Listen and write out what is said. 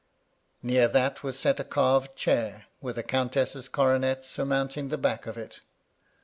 Near that was set a carved chair, with a countess's coronet surmounting the back of it.